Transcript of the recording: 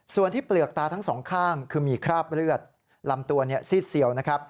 ส่วนที่เปลือกตาทั้งสองข้างคือมีคราบเลือดลำตัวซีดเซียวนะครับ